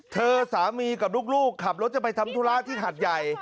เธอสามีกับลูกขับรถจะไปทำธุระที่หัดใหญ่